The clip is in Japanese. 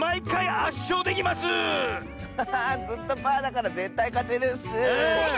ずっとパーだからぜったいかてるッス！